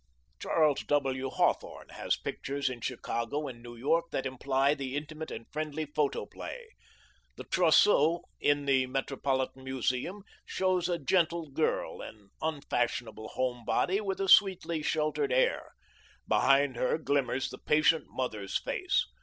Charles W. Hawthorne has pictures in Chicago and New York that imply the Intimate and friendly Photoplay. The Trousseau in the Metropolitan Museum shows a gentle girl, an unfashionable home body with a sweetly sheltered air. Behind her glimmers the patient mother's face.